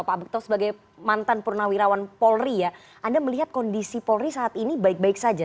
pak bekto sebagai mantan purnawirawan polri ya anda melihat kondisi polri saat ini baik baik saja